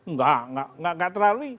nggak nggak terlalu